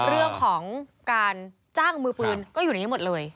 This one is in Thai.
เรื่องของการจ้างมือปืนก็อยู่ในนี้หมดเลย